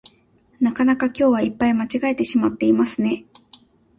なかなか今日はいっぱい間違えてしまっていますね